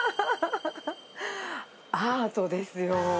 アートですよ。